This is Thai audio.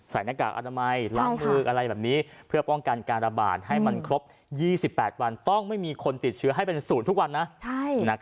หน้ากากอนามัยล้างมืออะไรแบบนี้เพื่อป้องกันการระบาดให้มันครบ๒๘วันต้องไม่มีคนติดเชื้อให้เป็นศูนย์ทุกวันนะ